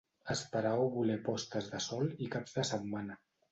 Esperar o voler postes de sol i caps de setmana.